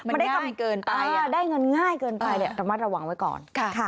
มันได้เงินง่ายเกินไปเลยระมัดระวังไว้ก่อน